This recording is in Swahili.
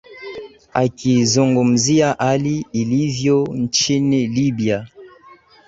akizungumzia hali ilivyo nchini libya